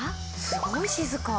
すごい静か。